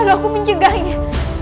lalu aku menjegahnya